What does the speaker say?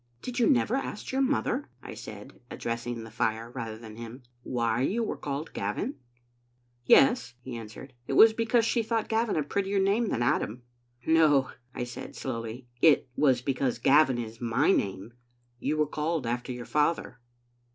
"Did you never ask your mother," I said, addressing the fire rather than him, " why you were called Gavin?" "Yes," he answered, "it was because she thought Gavin a prettier name than Adam." "No," I said slowly, "it was because Gavin is my name. You were called after your father.